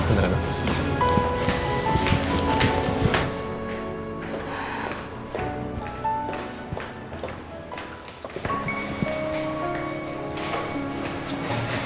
bentar ya ma